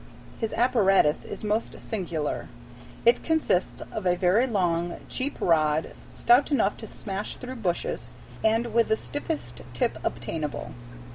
His apparatus is most singular. It consists of a very long, cheap rod, stout enough to smash through bushes, and with the stiffest tip obtainable.